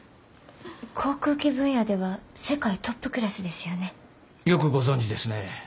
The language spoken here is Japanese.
航空機分野では世界トップクラスですよね。よくご存じですね。